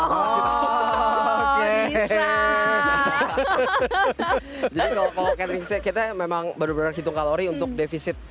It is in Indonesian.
jadi kalau kayaknya kita memang benar benar hitung kalori untuk defisit